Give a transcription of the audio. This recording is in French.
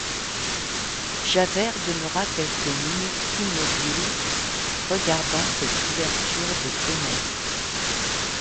Javert demeura quelques minutes immobile, regardant cette ouverture de ténèbres.